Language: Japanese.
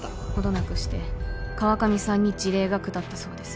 なくして川上さんに辞令が下ったそうです